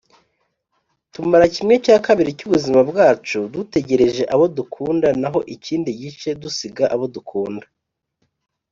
tumara kimwe cya kabiri cyubuzima bwacu dutegereje abo dukunda naho ikindi gice dusiga abo dukunda.